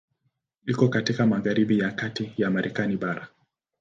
Iko katika magharibi ya kati ya Marekani bara.